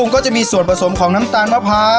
นี้จะมีสวดผสมของลำไดชน์มะเพรา